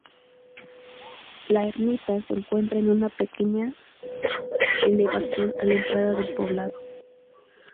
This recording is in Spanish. La ermita se encuentra en una pequeña elevación a la entrada del poblado.